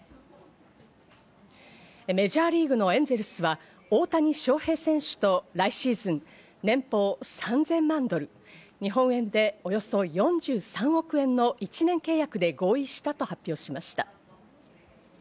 メジャーリーグのエンゼルスは大谷翔平選手と来シーズン、年俸３０００万ドル、日本円でおよそ４３億円の１年契約で合意したと発表しました。